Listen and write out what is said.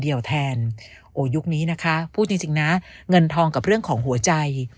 แทนโอ้ยุคนี้นะคะพูดจริงนะเงินทองกับเรื่องของหัวใจ